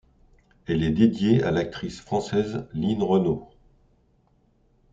Elle est dédiée à l'actrice française Line Renaud.